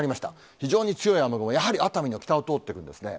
非常に強い雨雲、やはり熱海の北を通っていくんですね。